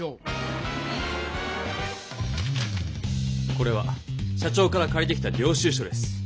これは社長からかりてきた領収書です。